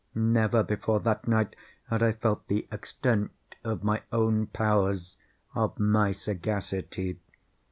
Never before that night had I felt the extent of my own powers—of my sagacity.